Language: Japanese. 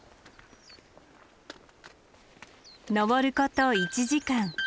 登ること１時間。